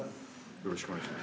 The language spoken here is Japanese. よろしくお願いします。